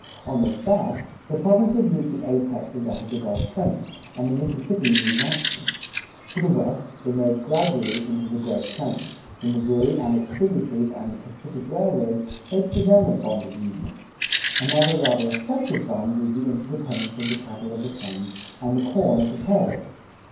On the south, the provinces meet the apex of that of the Gulf Plains, and the Mississippi unites them. To the west, they merge gradually into the Great Plains; the Missouri and its tributaries and the Pacific railroads make for them a bond of union; another rather effective bond is the interdependence of the cattle of the plains and the corn of the prairies.